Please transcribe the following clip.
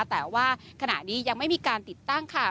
แต่ว่าขณะนี้ยังไม่มีการติดตั้งค่ะ